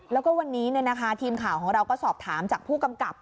แล้วก็วันนี้ทีมข่าวของเราก็สอบถามจากผู้กำกับ